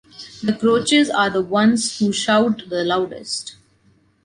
The grouches are the ones who shout the loudest.